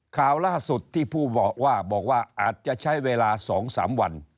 ข่าวล่าสุดที่ผู้บอกว่าบอกว่าอาจจะใช้เวลา๒๓วัน